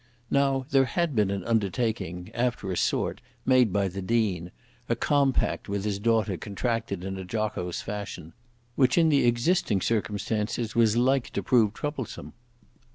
Now, there had been an undertaking, after a sort, made by the Dean, a compact with his daughter contracted in a jocose fashion, which in the existing circumstances was like to prove troublesome.